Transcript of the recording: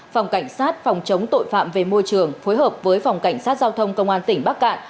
phòng cảnh sát phòng chống tội phạm về môi trường phối hợp với phòng cảnh sát giao thông công an tỉnh bắc cạn